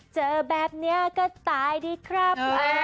เจอแบบนี้ก็ตายดีครับ